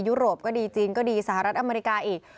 โรปก็ดีจีนก็ดีสหรัฐอเมริกาอีก